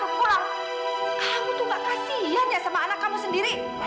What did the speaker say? kamu tuh nggak kasihan ya sama anak kamu sendiri